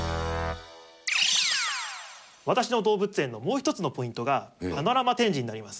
私の動物園のもう一つのポイントがパノラマ展示になります。